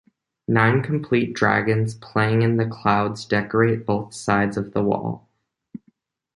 Nine complete dragons playing in the clouds decorate both sides of the wall.